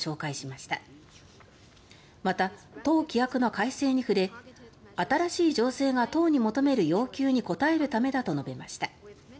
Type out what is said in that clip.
また、党規約の改正に触れ新しい情勢が党に求める要求に応えるためだと述べました。